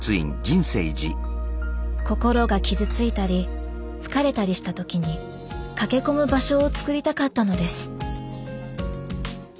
心が傷ついたり疲れたりした時に駆け込む場所をつくりたかったのです。